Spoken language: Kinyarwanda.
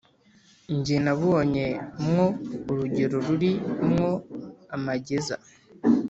jye nabonye mwo urugero ruri mwo amageza,